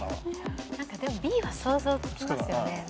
でもＢは想像つきますよね。